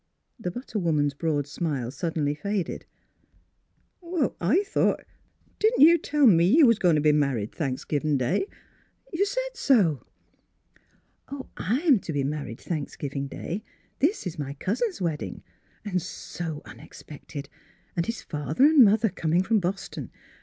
The butter woman's broad smile sud denly faded. " I thought — Didn't you tell me you Miss Vhilurc^s Wedding Gown was goin' t' be married Thanksgivin' Day? You — you said so!" " Oh, I am to be married Thanksgiving Day. This is my cousin's wedding — and so unexpected; and his father and mother coming from Boston.